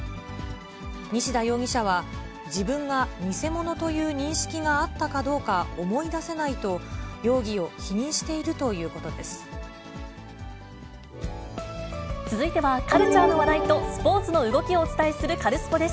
西田容疑者は、自分が偽物という認識があったかどうか思い出せないと、容疑を否続いては、カルチャーの話題とスポーツの動きをお伝えするカルスポっ！です。